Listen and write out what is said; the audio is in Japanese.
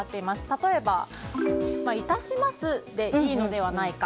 例えば、致しますでいいのではないか。